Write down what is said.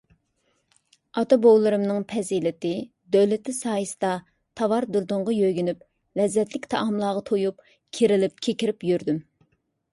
ئاتا - بوۋىلىرىمنىڭ پەزىلىتى - دۆلىتى سايىسىدا، تاۋار - دۇردۇنغا يۆگىنىپ، لەززەتلىك تائاملارغا تويۇپ، كېرىلىپ - كېكىرىپ يۈردۈم.